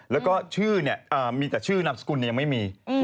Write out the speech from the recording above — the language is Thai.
แล้วก็ชื่อเนี่ยมีแต่ชื่อนามสกุลยังไม่มี